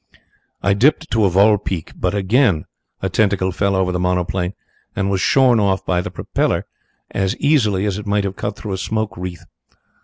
I dipped to a vol pique, but again a tentacle fell over the monoplane and was shorn off by the propeller as easily as it might have cut through a smoke wreath.